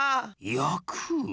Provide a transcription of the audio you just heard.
やく？